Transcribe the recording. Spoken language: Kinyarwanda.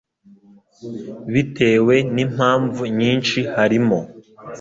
bitewe n'impamvu nyinshi harimo